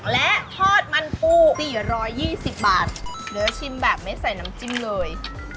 และทอดมันปู๔๒๐บาทเหลือชิมแบบไม่ใส่น้ำจิ้มเลย